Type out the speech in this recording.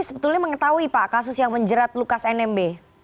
sebetulnya mengetahui pak kasus yang menjerat lukas nmb